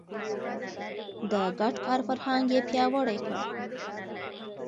د ګډ کار فرهنګ يې پياوړی کړ.